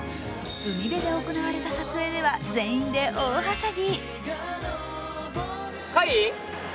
海辺で行われた撮影では全員で大はしゃぎ。